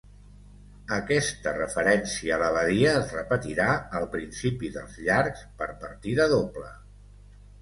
Aquesta referència a l'abadia es repetirà al principi dels llargs per partida doble.